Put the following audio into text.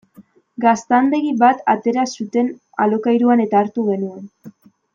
Gaztandegi bat atera zuten alokairuan eta hartu genuen.